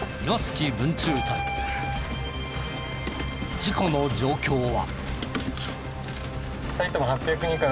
事故の状況は？